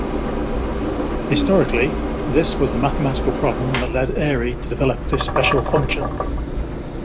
Historically, this was the mathematical problem that led Airy to develop this special function.